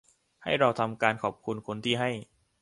ให้เราทำการขอบคุณคนที่ให้